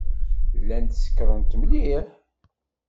Llant sekṛent mliḥ.